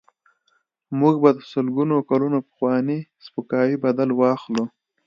موږ به د سلګونو کلونو پخواني سپکاوي بدل واخلو.